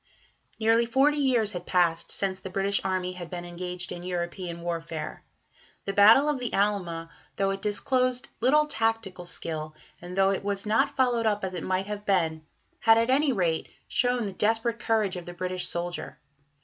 Nearly forty years had passed since the British army had been engaged in European warfare. The Battle of the Alma, though it disclosed little tactical skill, and though it was not followed up as it might have been, had at any rate shown the desperate courage of the British soldier.